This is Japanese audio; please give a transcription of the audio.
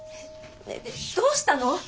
どうしたの？